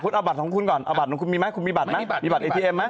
คุณเอาบัตรของคุณก่อนเอาบัตรของคุณมีไหมคุณมีบัตรไหม